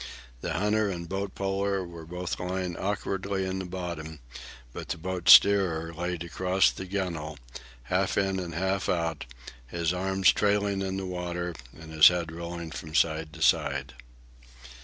The hunter and boat puller were both lying awkwardly in the bottom, but the boat steerer lay across the gunwale, half in and half out, his arms trailing in the water and his head rolling from side to side.